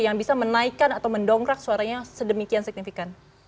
yang bisa menaikkan atau mendongkrak suaranya sedemikian signifikan